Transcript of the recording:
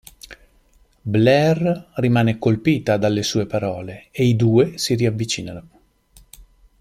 Blair rimane colpita dalle sue parole e i due si riavvicinano.